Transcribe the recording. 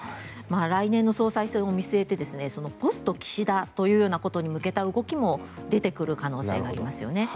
来年の総裁選を見据えてポスト岸田というようなことに向けた動きも出てくる可能性がありますよね。